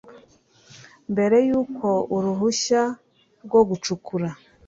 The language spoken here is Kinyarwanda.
mbere y uko uruhushya rwo gucukura